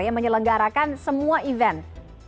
yang menyelenggarakan semua event